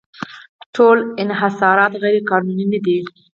ټول انحصارات غیرقانوني نه دي.